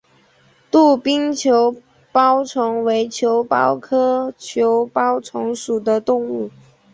杜宾球孢虫为球孢科球孢虫属的动物。